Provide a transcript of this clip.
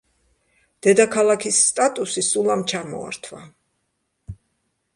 დედაქალაქის სტატუსი სულამ ჩამოართვა.